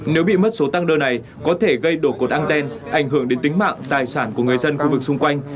nếu bị mất số tăng đơn này có thể gây đổ cột aenten ảnh hưởng đến tính mạng tài sản của người dân khu vực xung quanh